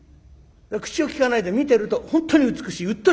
口を利かないで見てると本当に美しい。